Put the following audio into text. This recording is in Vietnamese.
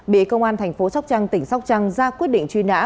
bị công an thành phố sóc trăng tỉnh sóc trăng ra quyết định truy nã